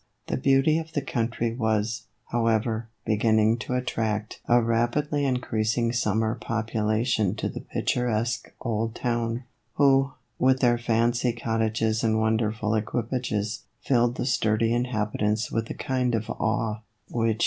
The beauty of the country was, however, beginning to attract a rapidly increasing summer population to the picturesque old town, who, with their fancy cottages and wonderful equipages, filled the sturdy inhabitants with a kind of awe, which 1 10 THE EVOLUTION OF A BONNET.